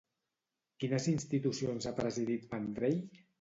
Quines institucions ha presidit Vendrell?